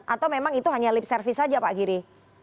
atau memang itu hanya lip service saja pak giri